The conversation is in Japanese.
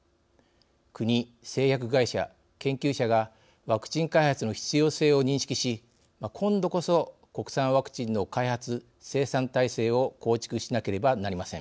国製薬会社研究者がワクチン開発の必要性を認識し今度こそ国産ワクチンの開発・生産体制を構築しなければなりません。